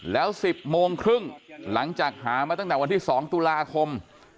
แล้ว๑๐โมงครึ่งหลังจากหามาตั้งแต่วันที่๒ตุลาคม